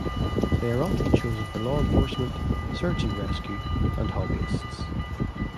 They are often chosen for law enforcement, search and rescue, and hobbyists.